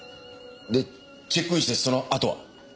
でチェックインしてそのあとは？